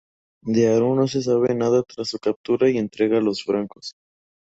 De Harún no se sabe nada tras su captura y entrega a los francos.